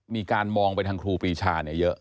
มีการมองไปทางครูปรีชาเยอะ